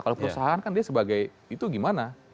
kalau perusahaan kan dia sebagai itu gimana